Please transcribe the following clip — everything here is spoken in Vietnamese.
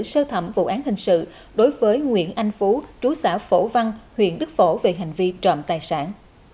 sơ thẩm vụ án hình sự đối với nguyễn anh phú trú xã phổ văn huyện đức phổ về hành vi trộm tài sản